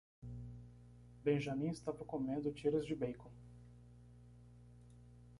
Benjamin estava comendo tiras de bacon.